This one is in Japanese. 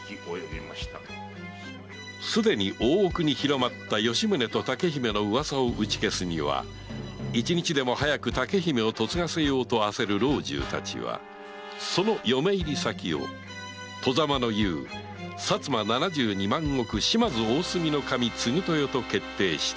すでに大奥に広まった吉宗と竹姫の噂を打ち消すには一日でも早く竹姫を嫁がせようと焦る老中たちはその嫁入り先を外様の雄薩摩七十二万石島津大隅守継豊と決定した